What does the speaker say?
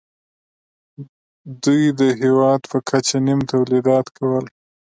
دوی د هېواد په کچه نیم تولیدات کول